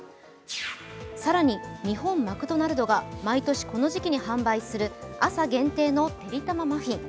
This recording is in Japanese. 更に、日本マクドナルドが毎年、この時期に販売する朝限定のてりたまマフィン。